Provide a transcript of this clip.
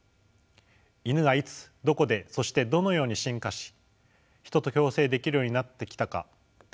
イヌがいつどこでそしてどのように進化しヒトと共生できるようになってきたか。